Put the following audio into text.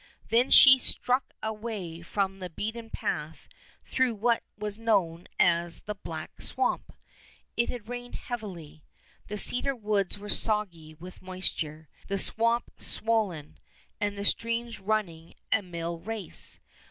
Then she struck away from the beaten path through what was known as the Black Swamp. It had rained heavily. The cedar woods were soggy with moisture, the swamp swollen, and the streams running a mill race.